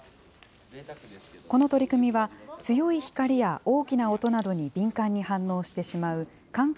この取り組みは、強い光や大きな音などに敏感に反応してしまう感覚